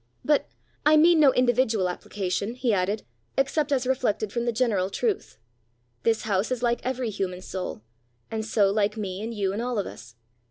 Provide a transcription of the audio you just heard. " But I mean no individual application," he added, "except as reflected from the general truth. This house is like every human soul, and so, like me and you and all of us.